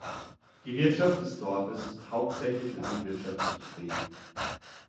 Die Wirtschaft des Dorfes ist hauptsächlich landwirtschaftlich geprägt.